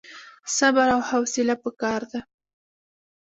صبر او حوصله پکار ده